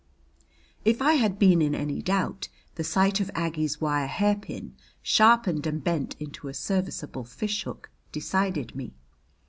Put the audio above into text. If I had been in any doubt, the sight of Aggie's wire hairpin, sharpened and bent into a serviceable fishhook, decided me.